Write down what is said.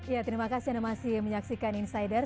ya terima kasih anda masih menyaksikan insider